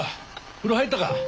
風呂入ったか？